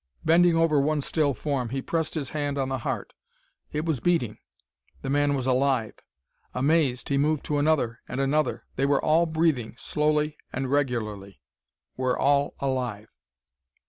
Bending over one still form, he pressed his hand on the heart. It was beating! The man was alive! Amazed, he moved to another and another: they were all breathing, slowly and regularly were all alive!